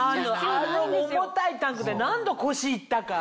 あの重たいタンクで何度腰いったか。